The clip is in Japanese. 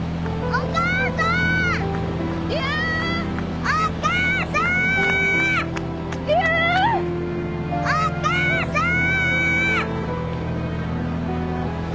お母さーん！